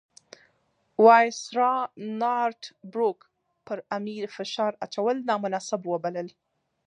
وایسرا نارت بروک پر امیر فشار اچول نامناسب وبلل.